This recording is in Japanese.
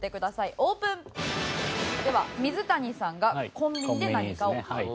オープン！では水谷さんがコンビニで何かを買う。